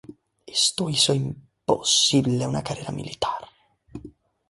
Esto hizo imposible una carrera militar.